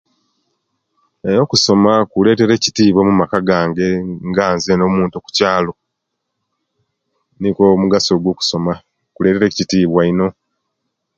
Era okusoma kuletere ekitiwa omumaka gange nga zena omuntu ku kyalo nikwo omugaso gwo kusoma kuletere ekitiwa ino